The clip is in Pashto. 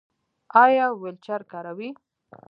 ایا ویلچیر کاروئ؟